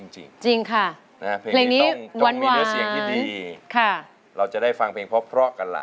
จริงค่ะเพลงนี้ต้องมีเนื้อเสียงที่ดีเราจะได้ฟังเพลงเพราะกันล่ะ